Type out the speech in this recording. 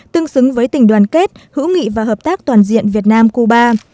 tương xứng với tình đoàn kết hữu nghị và hợp tác toàn diện việt nam cuba